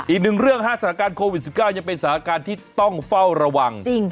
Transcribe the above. อีกหนึ่งเรื่องฮะสถานการณ์โควิด๑๙ยังเป็นสถานการณ์ที่ต้องเฝ้าระวัง